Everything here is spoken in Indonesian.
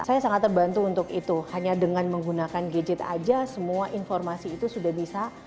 saya sangat terbantu untuk itu hanya dengan menggunakan gadget aja semua informasi itu sudah bisa